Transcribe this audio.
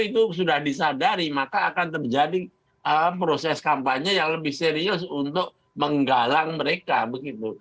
itu sudah disadari maka akan terjadi proses kampanye yang lebih serius untuk menggalang mereka begitu